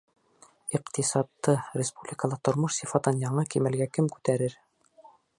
Иҡтисадты, республикала тормош сифатын яңы кимәлгә кем күтәрер?